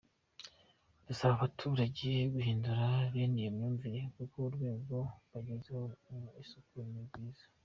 Dusaba abaturage guhindura bene iyo myumvire kuko urwego bagezeho mu isuku ni rwiza.